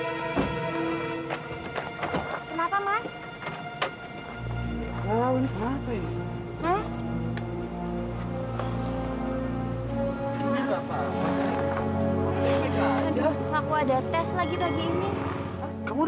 yang penting kamu nyampe kampus